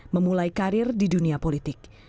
memulai karir di dunia politik